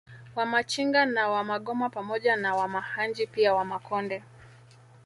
Wamachinga na Wamagoma pamoja na Wamahanji pia Wamakonde